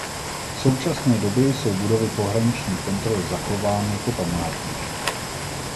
V současné době jsou budovy pohraniční kontroly zachovány jako památník.